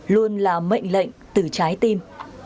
luôn là mệnh lệnh từ trái tim